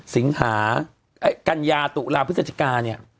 สิงหากัญญาตุลาพฤศจิกาเนี่ย